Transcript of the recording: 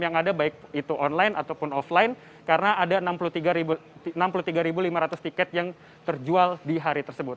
yang ada baik itu online ataupun offline karena ada enam puluh tiga lima ratus tiket yang terjual di hari tersebut